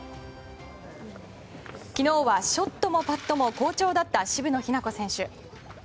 昨日はショットもパットも好調だった渋野日向子選手。